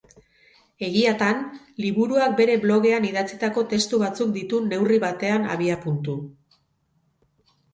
Egiatan, liburuak bere blogean idatzitako testu batzuk ditu neurri batean abiapuntu.